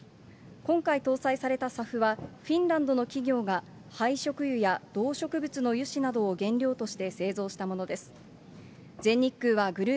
今回搭載されたサフは、フィンランドの企業が廃食油や動植物の油脂などを原料として製造したものです。